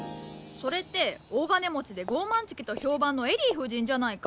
それって大金持ちで高慢ちきと評判のエリー夫人じゃないか？